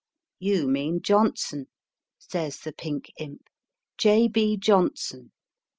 You mean Johnson, says the pink imp ; J. B. Johnson.